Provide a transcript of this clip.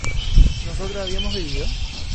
¿nosotros habíamos bebido?